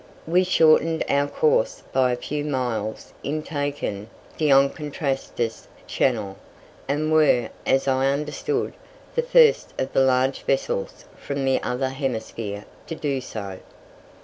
We shortened our course by a few miles in taking D'Entrecasteaux Channel, and were, as I understood, the first of the large vessels from the other hemisphere to do so.